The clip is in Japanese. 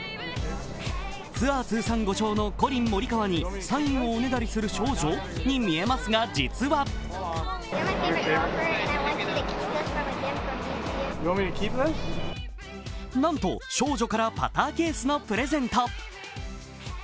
ツアー通算５勝のコリン・モリカワにサインをおねだりする少女に見えますが、実はなんと少女からパターケースのプレゼント。